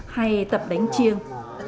hay tập đánh chiêng